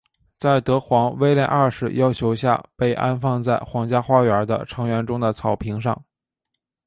在德皇威廉二世要求下被安放在皇家花园的橙园中的草坪上。